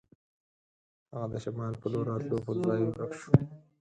هغه د شمال په لور راتلو پر ځای ورک شو.